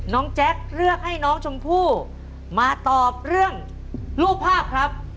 แจ๊คเลือกให้น้องชมพู่มาตอบเรื่องรูปภาพครับ